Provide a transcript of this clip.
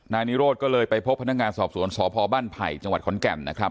นายนิโรธก็เลยไปพบพนักงานสอบสวนสพบ้านไผ่จังหวัดขอนแก่นนะครับ